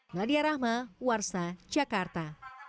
meladia rahma warsa jakarta